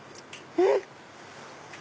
うん！